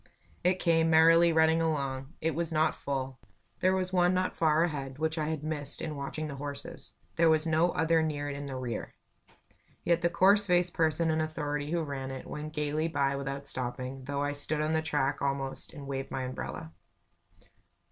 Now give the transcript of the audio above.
It came, merrily running along. It was not full. There was one not far ahead, which I had missed in watching the horses; there was no other near it in the rear. Yet the coarse faced person in authority who ran it, went gaily by without stopping, though I stood on the track almost, and waved my umbrella.